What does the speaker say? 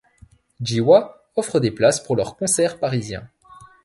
Jiwa offre des places pour leur concert parisien.